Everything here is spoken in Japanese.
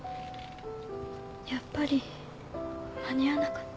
やっぱり間に合わなかった。